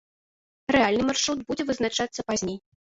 Рэальны маршрут будзе вызначацца пазней.